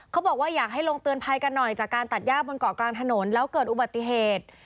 เขาบอกว่าอยากให้ลงเตือนภัยกันหน่อยจากการตัดย่าบนเกาะกลางถนนแล้วเกิดอุบัติเหตุ